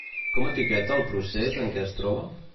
Com etiqueta el procés en què es troba?